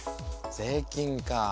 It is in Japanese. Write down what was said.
税金かあ。